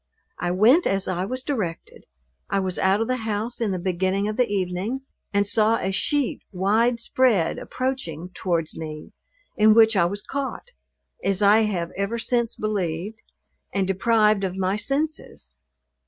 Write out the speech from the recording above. I went as I was directed. I was out of the house in the beginning of the evening, and saw a sheet wide spread approaching towards me, in which I was caught (as I have ever since believed) and deprived of my senses!